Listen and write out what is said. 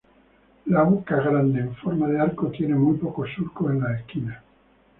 La boca grande en forma de arco tiene muy poco surcos en las esquinas.